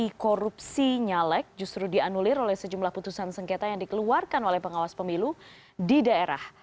aksi korupsi nyalek justru dianulir oleh sejumlah putusan sengketa yang dikeluarkan oleh pengawas pemilu di daerah